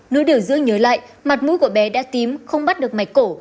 nữ điều dưỡng nhớ lại mặt mũi của bé đã tím không bắt được mạch cổ